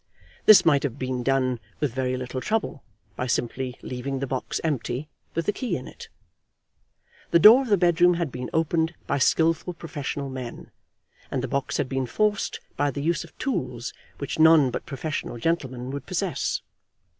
This might have been done with very little trouble, by simply leaving the box empty, with the key in it. The door of the bedroom had been opened by skilful professional men, and the box had been forced by the use of tools which none but professional gentlemen would possess.